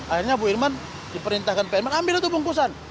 akhirnya bu irman diperintahkan pak irman ambil itu bungkusan